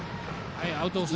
アウトコース